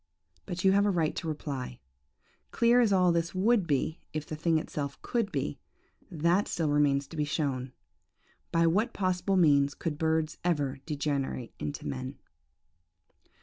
But you have a right to reply. 'Clear as all this would be if the thing itself could be, that still remains to be shown. By what possible means could birds ever degenerate into men?'